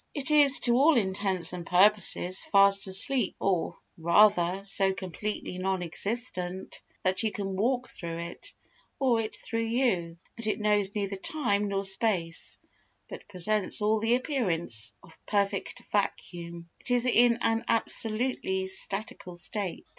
It is to all intents and purposes fast asleep or, rather, so completely non existent that you can walk through it, or it through you, and it knows neither time nor space but presents all the appearance of perfect vacuum. It is in an absolutely statical state.